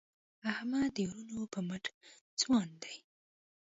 احمد د وروڼو په مټ ځوان دی.